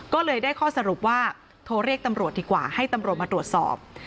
ก็เลยได้ข้อสรุปว่าโทรเรียกตำรวจดีกว่าให้ตำรวจมาตรวจสอบ